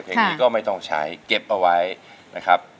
เพลงนี้ก็ไม่ต้องใช้เก็บเอาไว้นะครับ